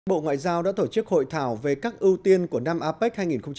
bộ ngoại giao đã tổ chức hội thảo về các ưu tiên của năm apec hai nghìn hai mươi